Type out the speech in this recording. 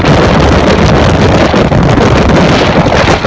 แต่ว่าเมืองนี้ก็ไม่เหมือนกับเมืองอื่น